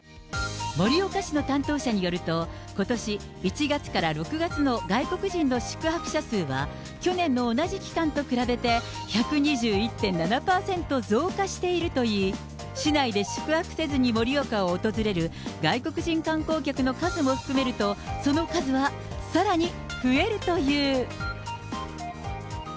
盛岡市の担当者によると、ことし１月から６月の外国人の宿泊者数は、去年の同じ期間と比べて１２１．７％増加しているといい、市内で宿泊せずに盛岡を訪れる外国人観光客の数も含めると、その数はさらに増えるという。